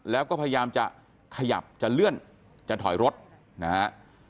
แล้วก็พยายามจะขยับจะเลื่อนจะถอยรถนะฮะ